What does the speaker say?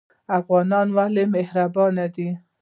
افغانان ولې مهربان دي؟